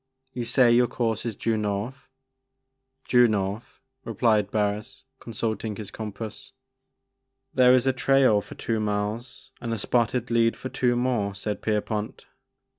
You say your course is due north ?'' Due north/' replied Barris, consulting his compass. '< There is a trail for two miles and a spotted lead for two more," said Pierpont.